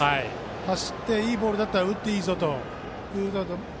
走って、いいボールなら打っていいぞと。